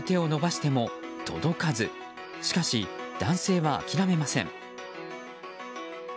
しかし、男性は諦めません。